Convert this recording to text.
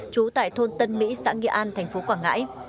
trú tại thôn tân mỹ xã nghĩa an thành phố quảng ngãi